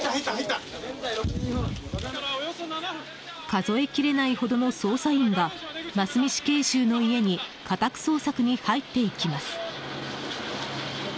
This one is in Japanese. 数え切れないほどの捜査員が真須美死刑囚の家に家宅捜索に入っていきます。